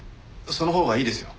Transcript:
そのほうがいいですよ。